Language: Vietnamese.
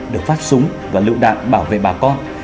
được phát súng và lựu đạn bảo vệ bà con